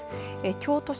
京都市